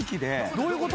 どういうこと？